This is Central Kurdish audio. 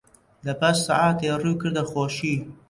لەپاش سەعاتێ ڕووی کردە خۆشی